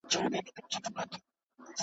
که حقیقت هم ووینې